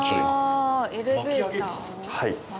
はい。